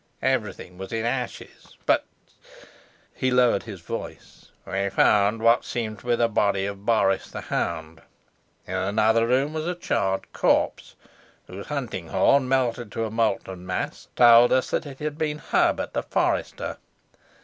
Everything was in ashes. But" he lowered his voice "we found what seemed to be the body of Boris the hound; in another room was a charred corpse, whose hunting horn, melted to a molten mass, told us that it had been Herbert the forester.